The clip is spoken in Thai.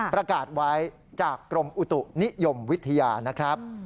ประกาศไว้จากกรมอุตุนิยมวิทยานะครับ